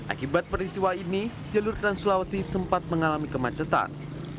akibat peristiwa ini jalur trans sulawesi sempat mengalami kemacetan